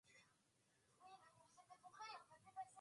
leo unakuja kutibiwa unakuta una shinikizo la damu